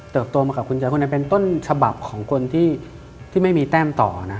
เติบโตมากับคุณย้ายคุณแอนเป็นต้นฉบับของคนที่ไม่มีแต้มต่อนะ